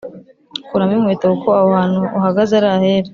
Kuramo inkweto kuko aho hantu uhagaze ari ahera